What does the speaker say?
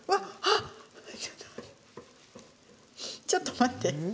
ちょっと待って。